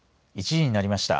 １時になりました。